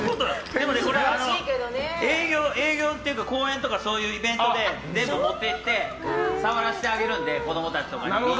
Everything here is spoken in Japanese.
でもこれは、営業っていうか講演とかのそういうイベントで全部持っていって触らせてあげるんで子供たちに。